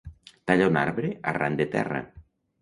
Talla un arbre arran de terra.